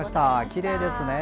きれいですね。